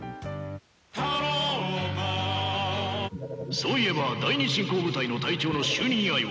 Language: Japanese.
そういえば第二侵攻部隊の隊長の就任祝いを。